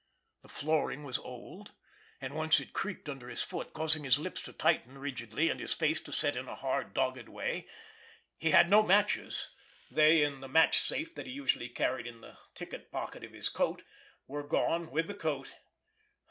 The flooring was old, and once it creaked under his foot, causing his lips to tighten rigidly, and his face to set in a hard, dogged way. He had no matches—they, in the match safe that he usually carried in the ticket pocket of his coat, were gone with the coat.